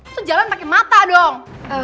tuh jalan pake mata dong